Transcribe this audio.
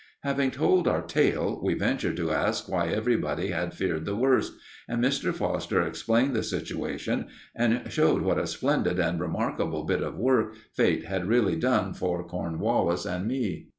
Having told our tale, we ventured to ask why everybody had feared the worst, and Mr. Foster explained the situation, and showed what a splendid and remarkable bit of work Fate had really done for Cornwallis and me.